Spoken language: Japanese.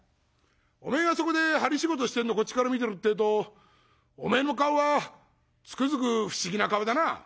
「おめえがそこで針仕事してんのこっちから見てるってえとおめえの顔はつくづく不思議な顔だなあ」。